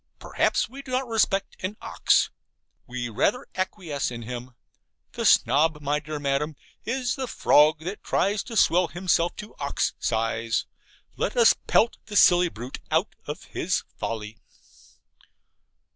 Perhaps we do not respect an ox. We rather acquiesce in him. The Snob, my dear Madam, is the Frog that tries to swell himself to ox size. Let us pelt the silly brute out of his folly.